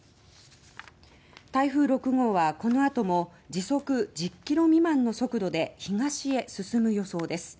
台風６号はこのあとも時速１０ｋｍ未満の速度で東へ進む予想です。